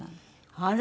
あら！